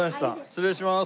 失礼します。